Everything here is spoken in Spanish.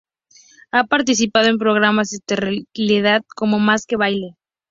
Ha participado en programas de telerrealidad como "¡Más que baile!